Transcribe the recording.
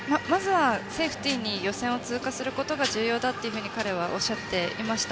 セーフティーにまず予選を通過することが大事だと彼はおっしゃっていました。